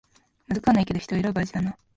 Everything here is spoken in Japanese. まずくはないけど人を選ぶ味だな